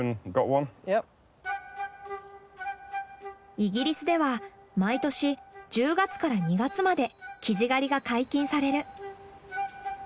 イギリスでは毎年１０月から２月までキジ狩りが解禁される。